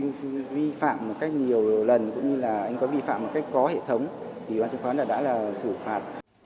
cũng như là anh có vi phạm một cách có hệ thống thì ủy ban trung khoán đã là xử phạt